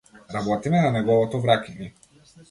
Работиме на неговото враќање.